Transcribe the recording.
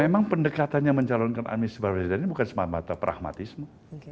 memang pendekatannya mencalonkan anies baswedan ini bukan semata pragmatisme